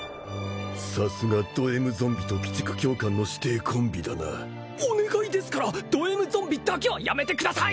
さすがドＭゾンビと鬼畜教官の師弟コンビだなお願いですからドＭゾンビだけはやめてください